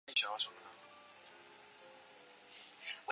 向梁铁路沿线只有向塘西站和梁家渡站两个车站。